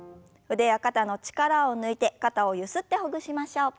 腕や肩の力を抜いて肩をゆすってほぐしましょう。